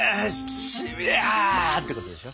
シビレあってことでしょ？